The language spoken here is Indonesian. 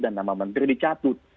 dan nama menteri dicatut